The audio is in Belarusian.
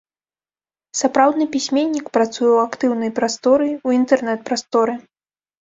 Сапраўдны пісьменнік працуе ў актыўнай прасторы, у інтэрнэт-прасторы.